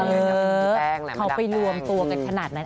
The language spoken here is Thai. เออเขาไปรวมตัวกันขนาดนั้น